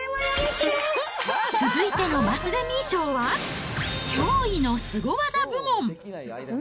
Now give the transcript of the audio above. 続いてのマスデミー賞は、驚異のスゴ技部門。